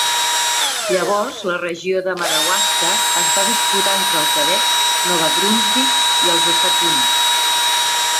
Llavors la regió de Madawaska es va disputar entre el Quebec, Nova Brunsvic i els Estats Units.